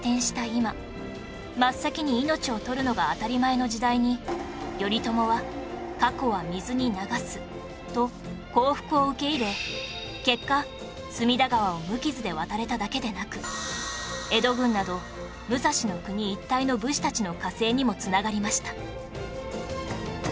今真っ先に命を取るのが当たり前の時代に頼朝は過去は水に流すと降伏を受け入れ結果隅田川を無傷で渡れただけでなく江戸軍など武蔵国一帯の武士たちの加勢にも繋がりました